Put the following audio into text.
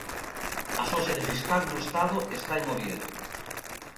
A súa sede fiscal no Estado está en Oviedo.